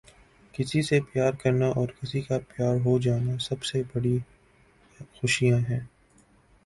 کسی سے پیار کرنا اور کسی کا پیار ہو جانا سب سے بڑی خوشیاں ہیں۔